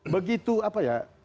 begitu apa ya